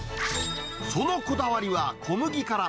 そのこだわりは小麦から。